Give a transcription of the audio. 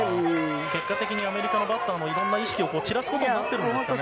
結果的にアメリカのバッターのいろんな意識を散らすことになってますね。